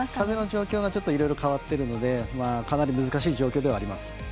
風の状況がいろいろ変わっているので難しい状況ではあります。